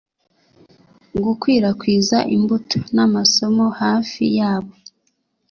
Gukwirakwiza imbuto n'amasomo hafi yabo